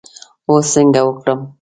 اوس څنګه وکړم.